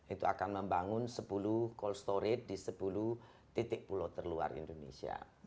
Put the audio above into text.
itu akan membangun sepuluh call storage di sepuluh titik pulau terluar indonesia